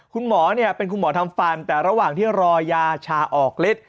คุณหมอเป็นคุณหมอทำฟันแต่ระหว่างที่รอยาชาออกฤทธิ์